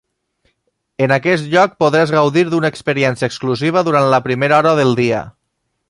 En aquest lloc podràs gaudir d'una experiència exclusiva durant la primera hora del dia.